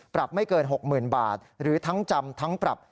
ปรับไม่เกิน๖๐๐๐บาทหรือทั้งจำทั้งปรับ